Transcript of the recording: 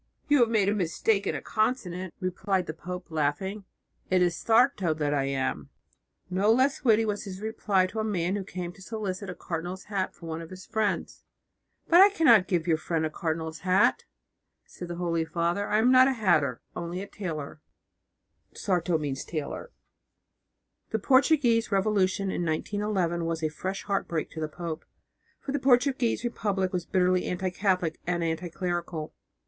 "You have made a mistake in a consonant," replied the pope, laughing, "it is a 'Sarto' that I am." No less witty was his reply to a man who came to solicit a cardinal's hat for one of his friends. "But I cannot give your friend a cardinal's hat," said the Holy Father. "I am not a hatter, only a tailor" (sarto). The Portuguese revolution in 1911 was a fresh heartbreak to the pope, for the Portuguese Republic was bitterly anti Catholic and anti clerical.